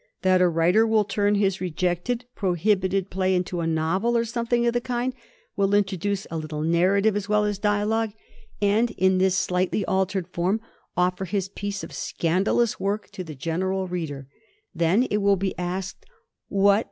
That a writer will turn his rejected, prohibited play into a novel or something of the kind; will introduce a little narrative as well as dialogue, and in this slightly i?87. THE CENSORSHIP OF THE STA6K IQI altered form offer his piece of scandalous work to the general reader. Then it will be asked, What!